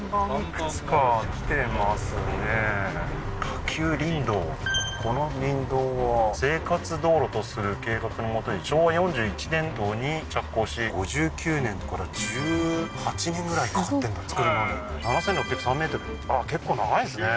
武生林道「この林道は生活道路とする計画のもとに昭和４１年度に着工し５９年」だから１８年ぐらいかかってんだ造るのに７，６０３ｍあっ結構長いんですね